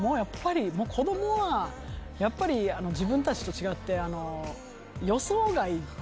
子どもはやっぱり自分たちと違って。